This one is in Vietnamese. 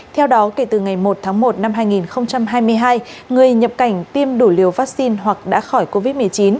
theo đó kể từ ngày một tháng một năm hai nghìn hai mươi hai người nhập cảnh tiêm đủ liều vaccine hoặc đã khỏi covid một mươi chín